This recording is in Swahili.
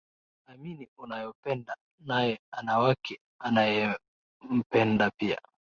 Amini unayempenda, naye ana wake anayaempenda pia